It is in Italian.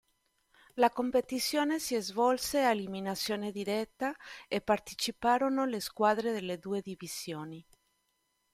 La competizione si svolse ad eliminazione diretta e parteciparono le squadre delle due divisioni.